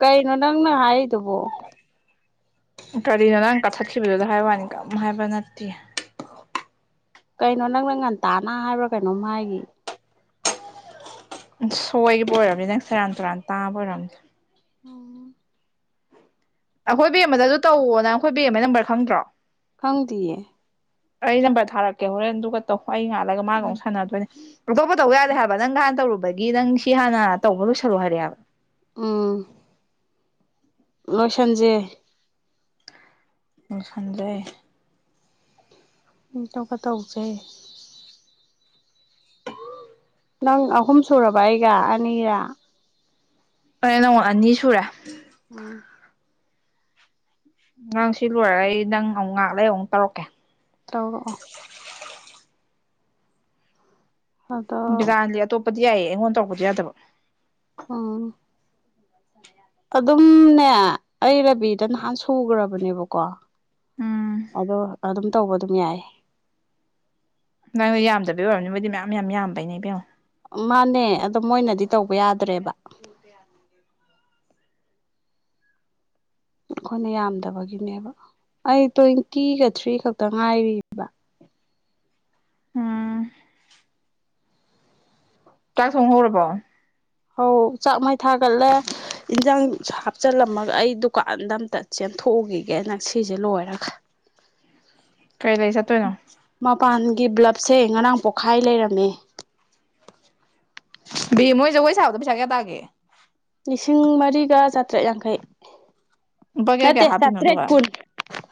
ꯀꯩꯅꯣ ꯅꯪꯅ ꯍꯥꯏꯔꯤꯗꯨꯕꯣ ꯀꯔꯤꯅꯣ ꯅꯪ ꯀꯛꯊꯠꯈꯤꯕꯗꯨꯗ ꯍꯥꯏ ꯋꯥꯅꯤ ꯀꯝ ꯍꯥꯏꯕ ꯅꯠꯇꯦ ꯀꯩꯅꯣ ꯅꯪꯅ ꯉꯟꯇꯥꯅ ꯍꯥꯏꯕ꯭ꯔꯥ ꯀꯩꯅꯣꯝ ꯍꯥꯏꯈꯤ ꯁꯣꯏꯕ ꯑꯣꯏꯔꯔꯕꯅꯤ ꯅꯪ ꯁꯦꯔꯥꯟ ꯇꯨꯔꯥꯟ ꯇꯥꯕ ꯑꯣꯏꯔꯕꯝꯅꯦ ꯑꯣ ꯑꯩꯈꯣꯏ ꯕꯦꯡ ꯑꯃꯗ ꯑꯗꯨ ꯇꯧꯋꯣꯅ ꯑꯩꯈꯣꯏ ꯕꯦꯡ ꯑꯃ ꯅꯝꯕꯔ ꯈꯪꯗ꯭ꯔꯣ ꯈꯪꯗꯤꯌꯦ ꯑꯩ ꯅꯝꯕꯔ ꯊꯥꯔꯛꯀꯦ ꯍꯣꯔꯦꯟ ꯑꯗꯨꯒ ꯇꯧ ꯍꯣꯏ ꯑꯩ ꯉꯥꯜꯂꯒ ꯃꯥꯒ ꯑꯃꯨꯛ ꯁꯥꯟꯅꯗꯣꯏꯅꯦ ꯂꯧꯊꯣꯛꯄ ꯇꯧ ꯌꯥꯗꯦ ꯍꯥꯏꯕ ꯅꯪ ꯀꯥꯏꯅ ꯇꯧꯔꯨꯕ ꯑꯗꯒꯤ ꯅꯪ ꯁꯤ ꯍꯥꯟꯅ ꯇꯧꯕ ꯂꯣꯏꯁꯜꯂꯨ ꯍꯥꯏꯔꯛꯦꯕ ꯑꯥ ꯂꯣꯏꯁꯟꯖꯦ ꯎꯝ ꯈꯟꯖꯩ ꯑꯇꯣꯞꯄ ꯇꯧꯖꯦ ꯅꯪ ꯑꯍꯨꯝ ꯁꯨꯔꯕ ꯑꯩꯒ ꯑꯅꯤꯔ ꯍꯣꯏ ꯅꯪꯒ ꯑꯅꯤ ꯁꯨꯔꯦ ꯑꯣ ꯅꯪ ꯁꯤ ꯂꯣꯏꯔ ꯑꯩ ꯅꯪ ꯑꯃꯨꯛ ꯉꯥꯛ ꯂꯩ ꯑꯃꯨꯛ ꯇꯧꯔꯛꯀꯦ ꯇꯧꯔꯛꯑꯣ ꯑꯗꯣ ꯕꯤꯗꯥꯟꯗꯤ ꯑꯇꯣꯞꯄꯗꯤ ꯌꯥꯏꯌꯦ ꯑꯩꯉꯣꯟꯗ ꯇꯧꯔꯛꯗꯤ ꯌꯥꯗꯕ ꯑ ꯑꯗꯨꯝꯅꯦ ꯑꯩ ꯔꯥꯕꯤꯗ ꯅꯍꯥꯟ ꯁꯨꯈ꯭ꯔꯕꯅꯦꯕꯀꯣ ꯎꯝ ꯑꯗꯣ ꯑꯗꯨꯝ ꯇꯧꯕ ꯑꯗꯨꯝ ꯌꯥꯏ ꯅꯪꯅ ꯌꯥꯝꯗꯕ ꯑꯣꯏꯔꯕꯅꯤ ꯃꯣꯏꯗꯤ ꯃꯌꯥꯝ ꯌꯥꯝ ꯌꯥꯝꯕꯩꯅꯦ ꯏꯕꯦꯝꯉꯣ ꯃꯥꯅꯦ ꯑꯗꯣ ꯃꯣꯏꯅꯗꯤ ꯇꯧꯕ ꯇ ꯌꯥꯗ꯭ꯔꯦꯕ [inaudible] ꯑꯩꯈꯣꯏꯅ ꯌꯥꯝꯗꯕꯒꯤꯅꯦꯕ ꯑꯩ ꯇ꯭ꯋꯦꯟꯇꯤꯒ ꯊ꯭ꯔꯤ ꯈꯛꯇ ꯉꯥꯏꯔꯝ ꯎꯝ ꯆꯥꯛ ꯊꯣꯡ ꯍꯧꯔꯕꯣ ꯑꯧ ꯆꯥꯛ ꯃꯩ ꯊꯥꯒꯠꯂꯦ ꯏꯟꯖꯥꯡ ꯍꯥꯞꯆꯤꯜꯂꯝꯃꯒ ꯑꯩ ꯗꯨꯀꯥꯟꯗ ꯑꯝꯇ ꯆ ꯊꯣꯛ ꯎꯈꯤꯒꯦꯅ ꯁꯤꯁꯦ ꯂꯣꯏꯔꯒ ꯀꯩ ꯂꯩ ꯆꯠꯇꯣꯏꯅꯣ ꯃꯄꯥꯟꯒꯤ ꯕ꯭ꯂꯞꯁꯦ ꯉꯔꯥꯡ ꯄꯣꯛꯈꯥꯏ ꯂꯩꯔꯝꯃꯦ ꯕꯦꯝꯃ ꯍꯣꯏ ꯖꯒꯣꯏ ꯁꯥꯕꯗꯣꯥ ꯄꯩꯁꯥ ꯀꯌꯥ ꯇꯥꯒꯦ ꯂꯤꯁꯤꯡ ꯃꯔꯤꯒ ꯆꯥꯇ꯭ꯔꯦꯠ ꯌꯥꯡꯈꯩ ꯂꯨꯄꯥ ꯀꯌꯥ ꯀꯌꯥ ꯅꯠꯇꯦ ꯍꯥꯞꯄꯤꯅꯣ ꯆꯥꯇ꯭ꯔꯦꯠ ꯑꯗꯨꯒ ꯀꯨꯟ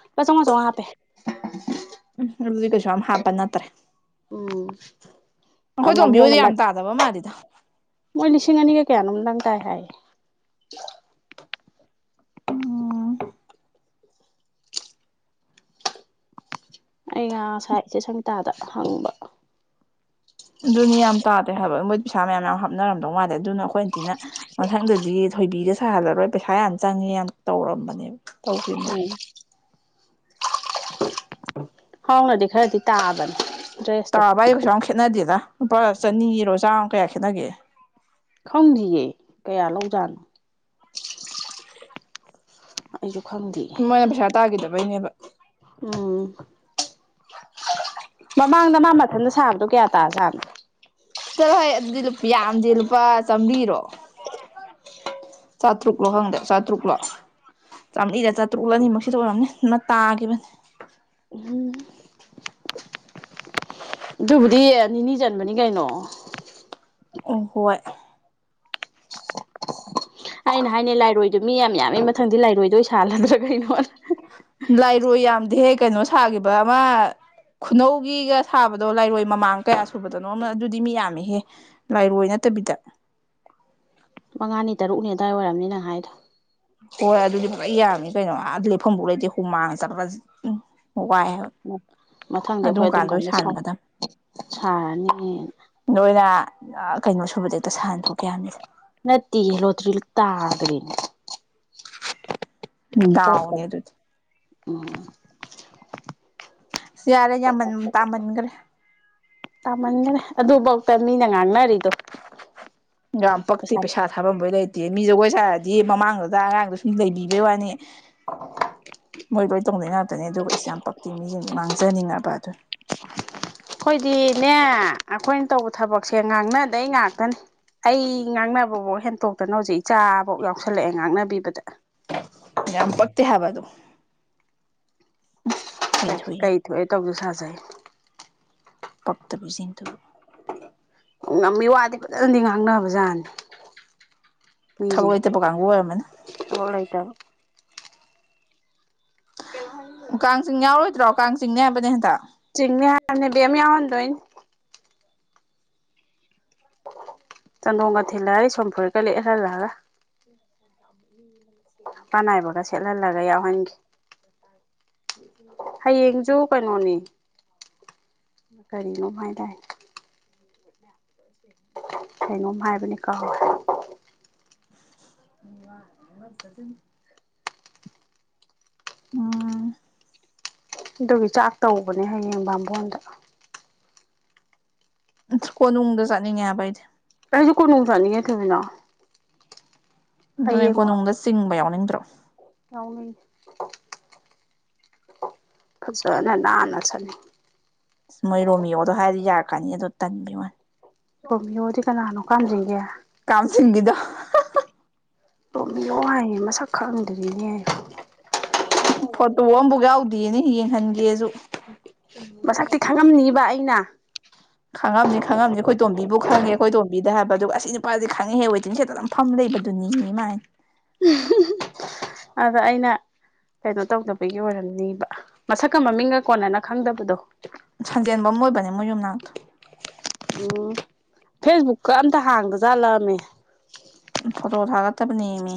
ꯂꯨꯄꯥ ꯆꯝꯉꯥ ꯆꯥꯝꯉꯥ ꯍꯥꯞꯄꯦ ꯎꯝꯖꯤ ꯀꯩꯁꯨ ꯑꯝ ꯍꯥꯄ ꯅꯠꯇ꯭ꯔꯦ ꯎꯝ ꯑ ꯑꯩꯈꯣꯏ ꯇꯣꯝꯕꯤ ꯃꯕꯣꯛꯅ ꯍꯣꯏꯗꯤ ꯌꯥꯝ ꯇꯥꯗꯕ ꯃꯥꯜꯂꯤꯗ ꯃꯣꯏꯂꯤꯁꯤꯡ ꯉꯅꯤꯒ ꯀꯌꯥꯅꯗꯪ ꯇꯥꯏ ꯍꯥꯏꯌꯦ ꯎꯝ ꯑꯩ ꯉ ꯉꯁꯥꯏꯠꯁꯦ ꯁꯪꯒꯤꯇꯥꯗ ꯍꯪꯕ ꯑꯗꯨꯅꯤ ꯌꯥꯝ ꯇꯥꯗꯦ ꯍꯥꯏꯕ ꯃꯣꯏ ꯄꯩꯁꯥ ꯃꯌꯥꯝ ꯌꯥꯝ ꯍꯥꯞꯅꯔꯝꯗꯧ ꯃꯥꯜꯂꯦ ꯑꯗꯨꯅ ꯑꯩꯈꯣꯏ ꯑꯟꯇꯤꯅ ꯃꯊꯪꯗꯗꯤ ꯊꯣꯏꯕꯤꯗ ꯁꯥꯍꯜꯂꯔꯣꯏ ꯄꯩꯁꯥ ꯌꯥꯝ ꯆꯪꯉꯦ ꯌꯥꯝ ꯇꯧꯔꯝꯕꯅꯦꯕ ꯇꯧꯈꯤꯕꯅꯦꯕ ꯎꯝ ꯍꯥꯎꯅꯗꯤ ꯈꯔꯗꯤ ꯇꯥꯕꯅꯤ ꯇꯥꯕ ꯑꯩꯨꯛꯁꯨ ꯌꯥꯝ ꯈꯦꯠꯅꯗꯦꯗ ꯂꯨꯄꯥ ꯆꯅꯤꯒꯤꯔꯣ ꯆꯥꯝꯃ ꯀꯌꯥ ꯈꯦꯠꯅꯒꯦ ꯈꯪꯕꯤꯌꯦꯦ ꯀꯌꯥ ꯂꯧꯖꯥꯅ ꯑꯩꯁꯨ ꯈꯪꯗꯦ ꯃꯣꯏꯅ ꯄꯩꯁꯥ ꯇꯥꯈꯤꯗꯕꯩꯅꯦꯕ ꯎꯝ ꯃꯃꯥꯡꯗ ꯃꯥ ꯃꯊꯟꯇ ꯁꯥꯕꯗꯣ ꯀꯌꯥ ꯇꯥ ꯁꯥꯥꯅꯦ ꯆꯠꯂꯣꯍꯦ ꯑꯗꯨꯗꯤ ꯌꯥꯝꯗꯤ ꯂꯨꯄꯥ ꯆꯥꯝꯕꯤꯔꯣ ꯆꯥꯇ꯭ꯔꯨꯛꯂꯣ ꯈꯪꯗꯦ ꯆꯥꯇ꯭ꯔꯨꯛꯂꯣ ꯆꯥꯝ ꯑꯛꯕꯔꯤ ꯠ ꯗ ꯆꯥꯇ꯭ꯔꯨꯛ ꯑꯅꯤꯃꯛꯁꯤꯗ ꯑꯣꯏꯔꯝꯅꯤ ꯅꯅ ꯇꯥꯈꯤꯕꯅꯦ ꯎꯝ ꯑꯗꯨꯕꯨꯗꯤ ꯅꯤꯅꯤ ꯆꯟꯕꯅꯤ ꯀꯩꯅꯣ ꯑꯣ ꯍꯣꯏ ꯑꯩꯅ ꯍꯥꯏꯅꯦ ꯂꯥꯏꯔꯣꯏꯗ ꯃꯤ ꯌꯥꯝ ꯌꯥꯝꯃꯤ ꯃꯊꯪꯗꯤ ꯂꯥꯏꯔꯣꯏꯗꯣꯏ ꯁꯥꯜꯂꯗ꯭ꯔꯥ ꯀꯩꯅꯣ ꯂꯥꯏꯔꯣꯏ ꯌꯥꯝꯗꯦꯍꯦ ꯀꯩꯅꯣ ꯁꯥꯈꯤꯕ ꯑꯃ ꯈꯨꯅꯧꯒꯤꯒ ꯁꯥꯕꯗꯣ ꯂꯥꯏꯔꯣꯏ ꯃꯃꯥꯡ ꯀꯌꯥ ꯁꯨꯕꯗꯅꯣ ꯑꯗꯨꯗꯤ ꯃꯤ ꯌꯥꯝꯃꯤꯍꯦ ꯂꯥꯏꯔꯣꯏꯅ ꯇꯕꯤꯗ ꯃꯉꯥꯅꯤ ꯇꯔꯨꯛꯅꯤ ꯑꯗꯨꯗꯥꯋꯥꯏ ꯑꯣꯏꯔꯝꯅꯤ ꯅꯪ ꯍꯥꯏꯗꯣ ꯍꯣꯏ ꯑꯗꯨꯗꯤ ꯄꯨꯔꯥ ꯌꯥꯝꯃꯤ ꯀꯩꯅꯣ ꯑ ꯂ ꯂꯩꯞꯐꯝꯐꯥꯎ ꯂꯩꯇꯦ ꯍꯨꯃꯥꯡ ꯆꯠꯄ꯭ꯔ ꯎ ꯋꯥꯏ ꯃꯊꯪꯗꯤ ꯑꯗꯨꯝ ꯑꯩꯈꯣꯏ ꯀꯥꯟ ꯂꯣꯏ ꯀꯥꯟꯗ ꯁꯥꯥꯟꯒꯗꯕ ꯁꯥꯔꯅꯤ ꯅꯣꯏꯅ ꯀꯩꯅꯣ ꯁꯨꯕꯗꯤ ꯅꯠꯇꯤ ꯍ ꯂꯣꯇꯔꯤꯜ ꯇꯥꯒꯅꯦ ꯗꯥꯅꯤ ꯑꯗꯨ ꯑꯣ ꯁꯔꯦ ꯌꯥꯃꯟ ꯇꯥꯃꯟꯈ꯭ꯔꯦ ꯇꯥꯃꯟꯈꯔꯦ ꯑꯗꯨꯐꯧꯗ ꯃꯤꯅ ꯉꯥꯡꯅꯔꯤꯗꯣ ꯌꯥꯝ ꯄꯛꯇꯤ ꯄꯩꯁꯥ ꯊꯥꯐꯝꯝꯕꯩ ꯂꯩ ꯃꯤ ꯖꯒꯣꯏ ꯁꯥꯔꯗꯤ ꯃꯃꯥꯡꯗꯨꯗ ꯑꯉꯥꯡꯗꯨ ꯁꯨꯝ ꯂꯩꯕꯤꯕꯩ ꯋꯥꯅꯤ ꯍꯣꯏ ꯂꯣꯏ ꯇꯧꯗꯩ ꯉꯥꯛꯇꯅꯦ ꯑꯗꯨꯒ ꯑꯩꯦ ꯌꯥꯝ ꯄꯛꯇꯤ ꯃꯤꯁꯤꯡꯗ ꯉꯥꯡꯖꯅꯤꯡꯉꯕ ꯑꯗꯨꯅꯤ ꯑꯩꯈꯣꯏꯗꯤꯅꯦ ꯑꯩꯈꯣꯏꯅ ꯇꯧꯕ ꯊꯕꯛꯁꯦ ꯉꯥꯡꯅꯗꯩ ꯉꯥꯛꯇꯅꯤ ꯑꯩ ꯉꯥꯡꯅꯕꯐꯥꯎ ꯍꯦꯟꯇꯣꯛꯇꯅ ꯍꯧꯖꯤꯛ ꯏꯆꯥ ꯐꯣꯛ ꯌꯥꯎꯁꯜꯂꯛꯑꯦ ꯉꯥꯛꯅꯕꯤꯕꯗ ꯌꯥꯝ ꯄꯛꯇꯦ ꯎ ꯀꯩ ꯊꯣꯛꯑꯦ ꯇꯧꯁꯨ ꯁꯥꯖꯩ ꯄꯞꯇꯕꯤꯖꯤꯤꯟ ꯇ ꯉꯝꯃꯤ ꯋꯥꯗꯤ ꯐꯖꯅꯗꯤ ꯉꯥꯡꯅꯕ ꯖꯥꯠꯅꯤ ꯃꯤꯖ ꯊꯕꯛ ꯂꯩꯇꯕ ꯀꯥꯡꯕꯨ ꯑꯣꯏꯔꯝꯃꯅꯤ ꯊꯕ ꯂꯩ ꯇꯕ ꯀꯥꯡꯆꯤꯡ ꯌꯥꯎꯔꯣꯏꯗ꯭ꯔꯣ ꯀꯥꯡ ꯆꯤꯡꯅꯦ ꯍꯥꯏꯕꯅꯦ ꯍꯟꯗ ꯆꯤꯡꯅꯦ ꯃꯤ ꯌꯥꯋꯥꯟꯗ ꯆ ꯅꯣꯡꯉ ꯊꯤꯂꯔꯦ ꯁꯣꯝ ꯐꯔꯀ ꯂꯩ ꯑꯦꯔ ꯂꯒ ꯄꯥꯟꯅꯥꯏꯕꯒ ꯁꯦꯠꯍꯜꯂꯒ ꯌꯥꯎꯍꯟꯒꯦ ꯍꯌꯦꯡꯁꯨ ꯀꯩꯅꯣꯅꯤ ꯀꯔꯤꯅꯣꯝ ꯍꯥꯏꯥꯏ ꯇꯥꯏ ꯃ ꯁꯦ ꯀꯒꯣꯝ ꯍꯥꯏꯕꯅꯤ ꯀꯥ ꯎ ꯋꯥ ꯏꯃ ꯆꯆꯤꯟ ꯑ ꯑꯗꯨꯒꯤ ꯆꯥꯛ ꯇꯧꯕꯅꯦ ꯍꯌꯦꯡꯕꯥꯝꯕꯣꯟꯗ ꯀꯣꯅꯨꯡꯗ ꯆꯠꯅꯤꯡꯉꯦ ꯍꯥꯏꯕ ꯑꯩꯗꯤ ꯑꯩꯁꯨ ꯀꯨꯅꯅꯨꯡ ꯆꯥꯅꯤ ꯊꯣꯏꯃꯤꯅꯥ ꯑꯗꯨꯅꯦ ꯀꯣꯅꯨꯡꯗ ꯆꯤꯡꯕ ꯌꯥꯎꯅꯤꯡ ꯑꯎꯅꯤ ꯀꯅ ꯅꯥꯅꯁꯅꯤ ꯃꯣꯏ ꯔꯣꯃꯤꯌꯣꯗꯣ ꯍꯥꯏꯔꯗꯤ ꯌꯥꯔꯛꯀꯅꯤ ꯑꯗꯨꯗꯣ ꯇꯟꯕꯤ ꯋꯥꯅꯦ ꯔꯣꯃꯤꯗꯤ ꯀꯅꯥꯅꯣ ꯀꯥꯝꯖꯤꯡꯒꯦ ꯀꯝꯁꯤꯗ ꯇꯣꯝꯕꯤꯌꯣ ꯍꯥꯏꯌꯦ ꯃꯁꯛ ꯈꯪꯪꯗ꯭ꯔꯤꯅꯦ ꯐꯣꯇꯣ ꯑ ꯑꯃꯐ ꯌꯥꯎꯗꯦꯌꯦꯅꯦ ꯌꯦꯡꯍꯟꯒꯦꯁꯨ ꯃꯁꯛꯇꯤ ꯈꯥꯡꯉꯝꯅꯤꯕ ꯑꯩꯅ ꯈꯪꯉꯝꯅꯤ ꯈꯪꯉꯝꯅꯤ ꯑꯩꯈꯣꯏ ꯇꯣꯝꯕꯤꯕꯨ ꯈꯪꯉꯦ ꯑꯩꯈꯣꯏ ꯇꯣꯝꯕꯤꯗ ꯍꯥꯏꯕ ꯑꯗꯨꯒ ꯑꯁꯤ ꯅꯨꯄꯥꯁꯦ ꯈꯪꯉꯦ ꯍꯦ ꯋꯦꯇꯤꯡꯁꯦꯠꯇꯅꯐꯝ ꯂꯩꯕꯗꯨꯅꯤ ꯃꯥꯏ ꯑꯗ ꯑꯩꯅ ꯀꯩꯅꯣ ꯇꯧꯗꯕꯒꯤ ꯑꯣꯏꯔꯝꯅꯦꯕ ꯃꯁꯛꯀ ꯃꯃꯤꯡꯒ ꯀꯣꯟꯅꯅ ꯈꯪꯗꯕꯗꯣ ꯁꯟꯖꯦꯟꯕꯝ ꯑꯣꯏꯕꯅꯦ [inaudible] ꯎꯝ ꯐꯦꯁꯕꯨꯛꯀ ꯑꯝꯇ ꯍꯥꯡꯗ ꯆꯠꯂꯛꯑꯃꯦ ꯐꯣꯇꯣ ꯊꯥꯒꯠꯇꯕꯅꯦꯃꯤ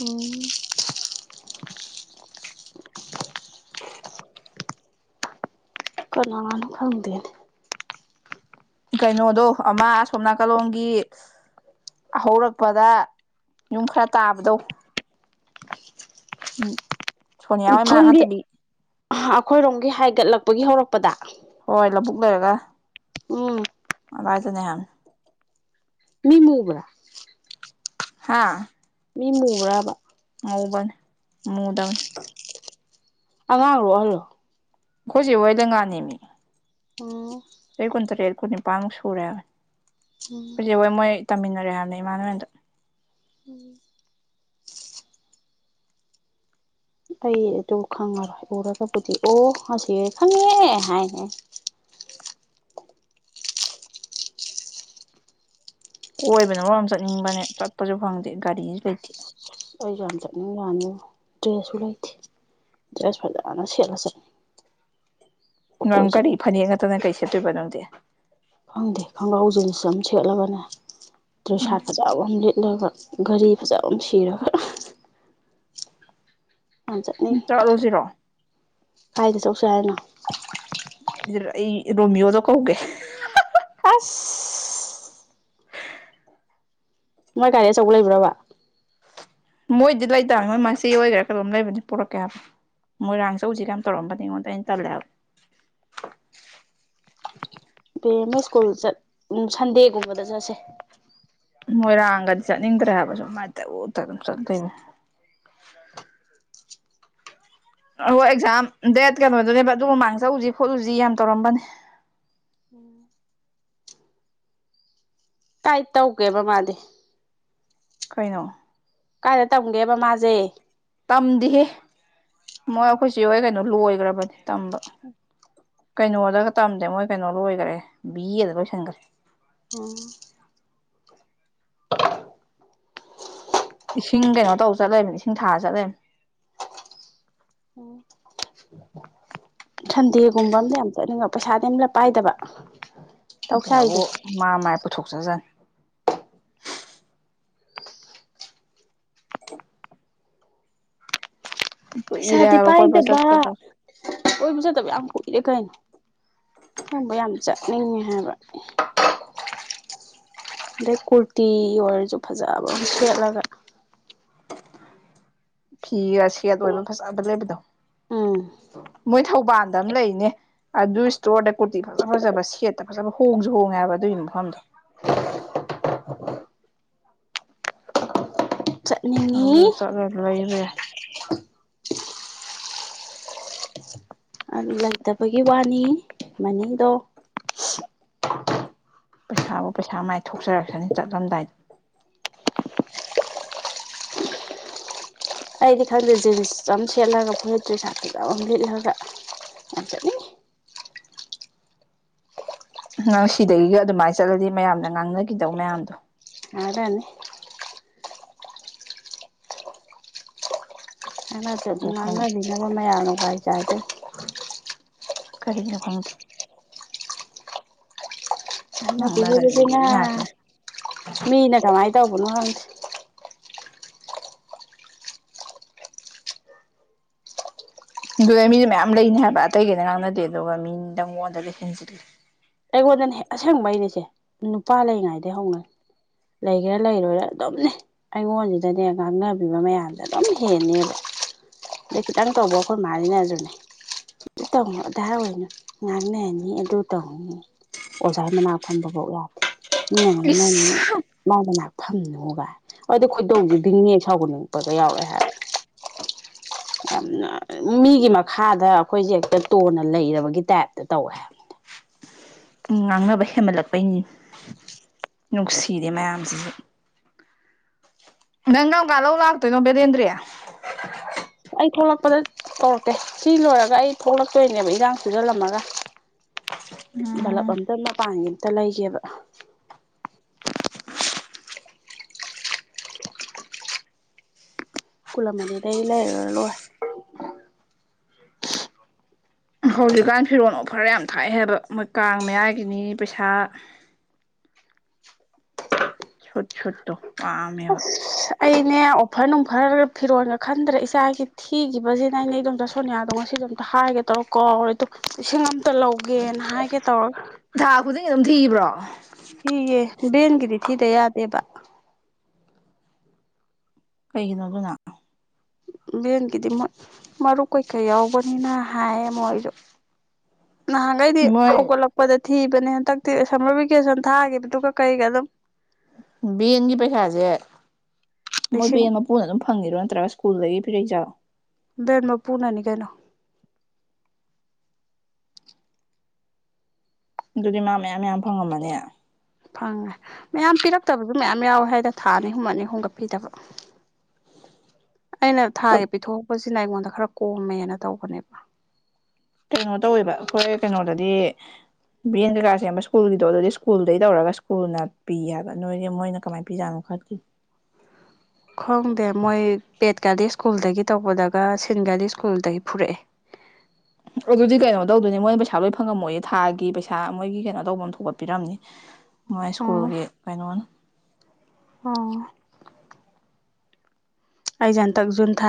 ꯎꯝ ꯀꯅꯥꯅ ꯈꯪꯗꯅꯦ ꯀꯩꯅꯣꯗꯣ ꯑꯃ ꯁꯣꯝꯅꯥꯀꯥꯂꯣꯡꯝꯒꯤ ꯍꯧꯔꯛꯄꯗ ꯌꯨꯝ ꯈꯔ ꯇꯥꯕꯗꯧ ꯎꯝ ꯁꯣꯅꯤꯌꯥ ꯍꯣ ꯃꯅꯥꯛ ꯁꯣꯝꯒꯤ ꯅꯠꯇꯕꯤ ꯑꯩꯈꯣꯏꯔꯣꯝꯒꯤ ꯍꯥꯏꯒꯠꯂꯛꯄꯒꯤ ꯍꯧꯔꯛꯄꯗ ꯍꯣꯏ ꯂꯕꯨꯛ ꯂꯩꯔꯒ ꯎꯝ ꯕꯥꯥꯏꯗꯅꯦꯍꯥꯟ ꯃꯤ ꯃꯨꯕ꯭ꯔ ꯍꯥꯥ ꯃꯤ ꯃꯨꯕ꯭ꯔꯕ ꯃꯕꯟ ꯃꯨꯗꯟ ꯑꯉꯥꯡ ꯂꯣꯛꯍꯜꯂꯣ ꯑꯩꯈꯣꯏꯁꯦ ꯍꯣꯏꯗ ꯉꯥꯅꯤꯃꯤ ꯑꯣ ꯑꯩ ꯀꯨꯟꯇꯔꯦꯠ ꯀꯨꯟ ꯅꯤꯄꯥꯟꯃꯨꯛ ꯁꯨꯔꯦ ꯎꯝ ꯍꯧꯖꯤꯛ ꯍꯣꯏ ꯃꯣꯏ ꯇꯝꯃꯤꯟꯅꯔꯦ ꯍꯥꯏꯕꯅꯦ ꯏꯃꯥꯟꯅꯦꯟꯗ ꯎꯝ ꯑꯩ ꯑꯗꯨ ꯈꯪꯉꯔꯣꯏ ꯎꯔꯒꯕꯨꯗꯤ ꯑꯣ ꯉꯁꯤ ꯈꯪꯉꯦ ꯍꯥꯏꯍ [inaudible] ꯀꯣꯏꯕꯅ ꯃꯔ ꯑꯃ ꯆꯠꯅꯤꯡꯕꯅꯦ ꯆꯠꯄꯁꯨ ꯐꯪꯗꯦ ꯒꯥꯔꯤꯁꯨ ꯂꯩꯇꯦ ꯑꯩ ꯌꯥꯝ ꯆꯠꯅꯤꯡꯉꯅꯤ ꯗ꯭ꯔꯦꯁꯁꯨ ꯂꯩꯇꯦ ꯗ꯭ꯔꯦꯁ ꯐꯖꯅ ꯁꯤꯠꯂꯁꯔꯦ ꯅꯪ ꯀꯔꯤ ꯐꯅꯦꯛ ꯅꯠꯇꯅ ꯀꯔꯤ ꯁꯦꯠꯇꯣꯏꯕ ꯅꯪꯗꯤꯦ ꯈꯪꯗꯦ ꯈꯣꯡꯒ꯭ꯔꯥꯎ ꯖꯤꯟꯁ ꯑꯃ ꯁꯦꯠꯂꯕꯅꯦ ꯗ꯭ꯔꯦ ꯁꯥꯥꯠ ꯐꯖꯕ ꯑꯃ ꯂꯤꯠꯂꯒ ꯒꯥꯔꯤ ꯐꯖ ꯑꯃ ꯁꯤꯔꯒ ꯆꯂꯣ ꯁꯤꯔꯣ ꯀꯗꯦ ꯆꯧꯁꯦ ꯍꯥꯏꯅꯣ ꯑꯩ ꯔꯣꯃꯤꯌꯣꯗꯣ ꯀꯧꯒꯦ ꯑꯁ ꯃꯥꯏ ꯒꯥꯔꯤ ꯑꯆꯧꯕ ꯂꯩꯕ꯭ꯔꯕ ꯃꯣꯏꯗꯤ ꯂꯩꯇꯥꯔꯅꯤ ꯃꯣꯏ ꯃꯆꯦ ꯑꯣꯏꯒꯦꯔꯥ ꯀꯩꯅꯣꯝ ꯂꯩꯕꯅꯤ ꯄꯔꯛꯀꯦ ꯍꯥꯏꯕ ꯃꯣꯏꯔꯥꯡ ꯆꯧꯁꯤꯦ ꯀꯌꯥꯝ ꯇꯧꯔꯝꯕꯅꯤꯉꯣꯟꯗ ꯑꯩꯅ ꯇꯜꯂꯦꯕ [inaudible] ꯄ ꯑꯦꯝ ꯑꯦ ꯁ꯭ꯀꯨꯜꯠ ꯁꯟꯗꯦꯒꯨꯝꯕꯗ ꯆꯠꯁꯦ ꯃꯣꯏꯔꯥꯡꯒꯗꯤ ꯆꯠꯅꯤꯡꯗ꯭ꯔꯦ ꯍꯥꯏꯕꯁꯨ ꯑꯗꯨꯃꯥꯏꯅ ꯇꯧ ꯎ ꯑꯗꯨꯝ ꯆꯠꯣꯏ ꯑꯣ ꯑꯦꯛꯖꯥꯝ ꯗꯦꯠ ꯀꯩꯅꯣꯗꯨꯅꯦꯕ ꯑꯗꯨꯒ ꯃꯃꯥꯡ ꯆꯂꯨꯁꯤ ꯈꯣꯠꯂꯨꯁꯤ ꯌꯥꯝ ꯇꯧꯔꯝꯕꯅꯦ ꯎꯝ ꯀꯥꯏ ꯇꯧꯒꯦꯕ ꯃꯥꯗꯤ ꯀꯩꯅꯣ ꯀꯥꯏꯗ ꯇꯝꯒꯦꯕ ꯃꯥꯁꯦ ꯇꯝꯗꯤꯍꯦ ꯃꯣꯏ ꯎꯝ ꯑꯩꯈꯣꯏꯁꯨꯦ ꯍ ꯀꯩꯅꯣ ꯂꯣꯏꯈ꯭ꯔꯕꯅꯤ ꯇꯝꯕ ꯀꯩꯅꯣꯗꯒ ꯇꯝꯗꯦ ꯃꯣꯏ ꯀꯩꯅꯣ ꯂꯣꯏꯈꯔꯦ ꯕꯤꯗ ꯂꯣꯏꯁꯤꯟꯈ꯭ꯔꯦ ꯑꯣ [inaudible] [inaudible] [inaudible] ꯏꯁꯤꯡ ꯀꯩꯅꯣ ꯇꯧ ꯆꯠꯂꯕ ꯏꯁꯤꯡ ꯊꯥꯔ ꯆꯠꯂꯕꯅꯤ ꯎꯝ ꯁꯟꯗꯦꯒꯨꯝꯕ ꯑ ꯌꯥꯝ ꯆꯠꯅꯤꯡꯕ ꯄꯩꯁꯥꯗꯤ ꯑꯝꯂ ꯄꯥꯏꯗꯕ ꯇꯧꯁꯦ [inaudible] ꯕꯨ ꯍꯥꯏꯁꯦ ꯃꯥ ꯃꯥꯏ ꯄꯨꯊꯣꯛꯆꯖꯪ ꯀꯨꯏꯔꯦ ꯄꯩꯁꯥꯗꯤ ꯍꯥꯏꯕ ꯀꯣꯏꯕ ꯄꯥꯏꯗꯕ ꯆꯠꯇꯕ ꯑꯣꯏꯕ ꯆꯠꯇꯕ ꯌꯥꯝ ꯏꯤꯔꯦ ꯀꯩꯅꯣ ꯈꯪꯕ ꯌꯥꯝ ꯆꯠꯅꯤꯡꯉꯦ ꯍꯥꯏꯕ ꯑꯗꯩ ꯀꯨꯔꯇꯤ ꯑꯣꯏꯔꯁꯨ ꯐꯖꯕ ꯑꯃ ꯁꯦꯠꯂꯒ ꯐꯤꯒ ꯁꯦꯠ ꯑꯣꯏꯕ ꯐꯖꯕ ꯂꯩꯕꯗꯣ ꯎꯝ ꯃꯣꯏ ꯊꯥꯎꯕꯥꯥꯟ ꯑꯝ ꯂꯩꯅꯦ ꯑꯗꯨ ꯁꯇꯣꯔꯗ ꯀꯨꯔꯇꯤ ꯐꯖ ꯐꯖꯕ ꯁꯦꯠꯇ ꯐꯖꯕ ꯍꯣꯡꯖꯨ ꯍꯣꯡꯉꯦ ꯍꯥꯏꯕ ꯑꯗꯨꯒꯤ ꯃꯐꯝꯗꯣ [inaudible] ꯍꯗ ꯆꯠꯅꯤꯡꯉꯤ [inaudible] ꯆꯠꯂ ꯂꯩꯕꯌ ꯑꯗꯨ ꯂꯩꯇꯕꯒꯤ ꯋꯥꯅꯤ ꯃꯅꯤꯗꯣ ꯄꯩꯁꯥꯕꯨ ꯄꯩꯁꯥ ꯃꯥꯏ ꯊꯣꯛꯆꯔꯛꯁꯅꯤ ꯆꯠꯂꯝꯗꯥꯏꯗ ꯑꯩꯗꯤ ꯈꯪꯗꯦ ꯖꯤꯟꯁ ꯑꯃ ꯁꯦꯠꯂꯒ ꯐꯣ ꯂꯤꯠꯇ꯭ꯔꯤ ꯁꯥꯇꯖ ꯑꯃꯝ ꯂꯤꯠꯂꯒ ꯑ ꯆꯠ ꯅꯪ ꯁꯤꯗꯒꯤꯒ ꯑꯗꯨꯃꯥꯏꯅ ꯆꯠꯂꯗꯤ ꯃꯌꯥꯝꯅ ꯉꯥꯡꯅꯈꯤꯗꯧ ꯃꯌꯥꯝꯗꯣ ꯑꯗꯅꯤ ꯑꯅ ꯆꯠ ꯎ ꯐꯪ ꯉꯥꯡꯅꯕꯤꯅꯕ ꯃꯌꯥꯝ ꯅꯨꯡꯉꯥꯏ ꯆꯥꯏꯗꯦ ꯀꯔꯤꯒꯤꯅꯣ ꯈꯪꯗꯦ ꯌꯥꯝꯅ ꯄꯤꯖꯤ ꯉꯥꯡꯅꯖꯅꯤꯡꯕꯤ ꯁꯤꯅ ꯉꯥꯛꯇꯅꯤ ꯃꯤꯅ ꯀꯃꯥꯏꯅ ꯇꯧꯕꯅꯣ ꯈꯪꯗꯦ ꯑꯗꯨꯗ ꯃꯤꯁꯨ ꯃꯌꯥꯝ ꯂꯩꯅꯤ ꯍꯥꯏꯕ ꯑꯇꯩ ꯀꯩꯅ ꯉꯥꯡꯅꯗꯦ ꯑꯗꯨꯒ ꯃꯤꯗꯪꯉꯣꯟꯗꯒ ꯍꯦꯟꯖꯤꯂ ꯑꯩꯉꯣꯟꯗꯅꯦ ꯑꯁꯦꯡꯕꯩ ꯅꯦꯁꯦ ꯅꯨꯄꯥ ꯂꯩꯉꯥꯏꯗꯩ ꯍꯧꯅ ꯂꯩꯒꯦꯔ ꯂꯩꯔꯣꯏꯔ ꯑꯗꯨꯝꯅꯦ ꯑꯩꯉꯣꯟꯁꯤꯗꯅꯦ ꯉꯥꯡꯅꯕꯤꯕ ꯃꯌꯥꯝꯁꯦ ꯑꯗꯨꯝ ꯍꯦꯟꯅꯕ ꯈꯤ ꯇꯥꯥꯟ ꯇꯧꯕ ꯈꯣꯃꯖꯤꯅꯖꯨ ꯇꯧꯅꯣ ꯑꯣꯏꯅ [inaudible] ꯉꯥꯡꯅꯅꯤ ꯑꯗꯨ ꯇꯧꯅꯤ ꯑꯣꯖꯥꯒꯤ ꯃꯅꯥꯛ ꯐꯝꯕ ꯐꯧ ꯌꯥꯗꯦ ꯃꯤꯅꯉꯥꯏ ꯅ ꯏꯁ ꯃꯥꯗ ꯉꯍ ꯐꯝꯅꯨꯒ ꯍꯗ ꯈꯣꯏꯗꯧꯁꯤꯦꯗꯤꯉꯦꯛ ꯁꯥꯎꯒ ꯅꯄꯒ ꯌꯥꯎꯔꯦ ꯍꯥꯏꯕ [inaudible] ꯌꯥꯝꯅ ꯃꯤꯒꯤ ꯃꯈꯥꯗ ꯑꯩꯈꯣꯏꯁꯦ ꯍꯦꯛꯇ ꯇꯣꯟꯅ ꯂꯩꯔꯕꯒꯤ ꯇꯥꯏꯞꯇ ꯇꯧꯋꯦ [unintelligible] ꯎ ꯉꯥꯡꯅꯕ ꯍꯦꯃꯜꯂꯛꯄꯩꯅꯤ ꯅꯨꯡꯁꯤꯔꯦ ꯃꯌꯥꯝꯁꯤꯁꯨ ꯅꯪ ꯀꯝꯀ ꯂꯧ ꯂꯥꯛꯇꯣꯏꯅꯣ ꯕꯗꯦꯟꯗ꯭ꯔꯔꯤ ꯑꯩ ꯊꯣꯛꯂꯛꯄꯗ ꯇꯧꯔꯛꯇꯦ ꯁꯤ ꯂꯣꯏꯔꯒ ꯑꯩ ꯊꯣꯛꯂꯛꯇꯣꯏꯅꯦꯕ ꯏꯔꯥꯡ ꯆꯨꯖꯜꯂꯝꯃꯒ ꯂ ꯎꯝ ꯐꯇꯅ ꯄꯥꯡ ꯑ ꯇ ꯂꯩꯒꯦꯕ ꯀꯂꯃꯅꯤ ꯂꯩ ꯂꯩ ꯍꯧꯖꯤꯛꯀꯥꯟ ꯐꯤꯔꯣꯟꯜ ꯑꯣꯐꯔ ꯌꯥꯝ ꯊꯥꯛꯑ ꯍꯥꯏꯕꯣꯏ ꯀꯥꯡ ꯃꯌꯥꯏꯒꯤꯅꯤ ꯄꯩꯁꯥ ꯁꯣꯠ ꯁꯣꯠꯣ ꯋꯥꯝꯕ ꯑꯁ ꯑꯩꯅꯦ ꯑꯣꯐꯔ ꯅꯨꯡꯐꯔꯒ ꯐꯤꯔꯣꯟꯒ ꯈꯟꯗ꯭ꯔꯦ ꯏꯆꯥꯒꯤ ꯊꯤꯈꯤꯕꯁꯤꯅ ꯑꯅꯦ ꯏꯗꯣꯝꯇ ꯁꯣꯅꯤꯌꯥꯗ ꯉꯁꯤꯗꯣ ꯑꯝꯇ ꯍꯥꯏꯒꯦ ꯇꯧꯔ ꯀꯧꯔꯦꯗꯣ ꯂꯤꯁꯤꯡ ꯑꯃ ꯇ ꯂꯧꯒꯦꯅ ꯍꯥꯏꯒꯦ ꯇꯧꯔꯒ ꯊꯥ ꯈꯨꯗꯤꯡꯒꯤ ꯑꯗꯨꯝ ꯊꯤꯕ꯭ꯔꯣ ꯊꯤꯌꯦꯦ ꯦꯟꯒꯗꯤ ꯊꯤꯗ ꯌꯥꯗꯦꯕ ꯀꯩꯒꯤꯅꯣ ꯑꯗꯨꯅꯥ ꯚꯦꯟꯒꯤꯗꯤ ꯃꯔꯨꯞ ꯀꯩꯀꯩ ꯌꯥꯎꯕꯅꯤꯅ ꯍꯥꯏꯌꯦ ꯃꯣꯏꯁꯨ ꯅꯍꯥꯟꯈꯩꯗꯤ ꯃꯣꯏ ꯍꯧꯒꯠꯂꯛꯄꯗ ꯊꯤꯕꯅꯦ ꯇꯛꯇꯤ ꯁꯝꯃꯔ ꯚꯦꯀꯦꯁꯟ ꯊꯥꯒꯤꯈꯤꯕꯗꯨꯒ ꯀꯩꯒ ꯑꯗꯨꯝ ꯕꯦꯟꯒꯤ ꯄꯩꯁꯥꯁꯦ ꯃꯣꯏ ꯂꯤꯁꯤꯡ ꯕꯦꯟ ꯃꯄꯨꯅ ꯑꯗꯨꯝ ꯐꯪꯉꯤꯔꯣ ꯅꯠꯇ꯭ꯔꯒ ꯁ꯭ꯀꯨꯜꯗꯒꯤ ꯄꯤꯔꯛꯖꯥꯂꯣ ꯕꯦꯟ ꯃꯄꯨꯅꯅꯤ ꯀꯩꯅꯣ ꯑꯗꯨꯗꯤ ꯃꯥ ꯃꯌꯥꯝ ꯃꯌꯥꯝ ꯐꯪꯉꯝꯃꯅꯦ ꯐꯪꯉꯦ ꯃꯌꯥꯝ ꯄꯤꯔꯛꯇꯕꯁꯨ ꯃꯌꯥꯝ ꯌꯥꯎꯋꯦ ꯍꯥꯏꯗ ꯊꯥ ꯑꯅꯤ ꯍꯨꯝꯃ ꯑꯅꯤ ꯑꯍꯨꯝꯒꯠꯄꯤꯗꯕ [unintelligible] ꯑꯩꯅ ꯊꯥꯒꯤ ꯄꯤꯊꯣꯛꯛꯄꯁꯤꯅ ꯑꯩꯉꯣꯟꯗ ꯈꯔ ꯀꯣꯝꯃꯦꯅ ꯇꯧꯕꯅꯦꯕ ꯀꯩꯅꯣ ꯇꯧꯋꯦꯕ ꯑꯩꯈꯣꯏ ꯀꯩꯅꯣꯗꯗꯤ ꯕ꯭ꯔꯦꯟ ꯀꯩꯀꯥꯥꯁ ꯁꯦꯝꯕ ꯁ꯭ꯀꯨꯜꯒꯤꯗꯣ ꯑꯗꯨꯗꯤ ꯁ꯭ꯀꯨꯜꯗꯩ ꯇꯧꯔꯒ ꯁ꯭ꯀꯨꯜꯅ ꯄꯤ ꯍꯥꯏꯕ ꯅꯣꯏꯒꯤ ꯃꯣꯏꯅ ꯀꯃꯥꯏꯅ ꯄꯤꯖꯥꯅꯣ ꯃꯈꯈꯠꯀꯤ ꯎ ꯈꯣꯡꯗꯦ ꯃꯣꯏ ꯄꯦꯠꯀꯗꯤ ꯁ꯭ꯀꯨꯜꯗꯒꯤ ꯇꯧꯕꯗꯒ ꯁꯤꯟꯒꯥꯗꯤ ꯁ꯭ꯀꯨꯜꯗꯒꯤ ꯐꯔꯛꯑꯦ [unintelligible] ꯑꯗꯨꯗꯤ ꯀꯩꯅꯣ ꯇꯧꯗꯣꯏꯅꯦ ꯃꯣꯏꯅ ꯄꯩꯁꯥ ꯂꯣꯏ ꯐꯪꯉꯝꯃꯣꯏꯌꯦ ꯊꯥꯒꯤ ꯄꯩꯁꯥ ꯃꯣꯏꯒꯤ ꯀꯩꯅꯣ ꯇꯧꯕ ꯑꯃ ꯊꯒꯠꯄꯤꯔꯝꯅꯤ ꯃꯣꯏ ꯑꯣ ꯁ꯭ꯀꯨꯜꯒꯤ ꯀꯩꯅꯣ ꯑꯣ ꯑꯩꯖ ꯍꯟꯇꯛ ꯖꯨꯟ ꯊꯥ